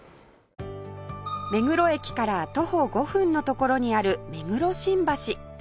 目黒駅から徒歩５分の所にある目黒新橋